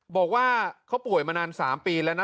บอกว่าเขาป่วยมานาน๓ปีแล้วนะ